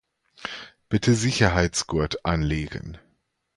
Bitte Sicherheitsgurt anlegen.